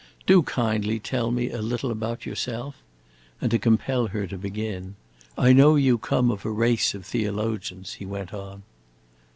Do kindly tell me a little about yourself." And to compel her to begin, "I know you come of a race of theologians," he went on.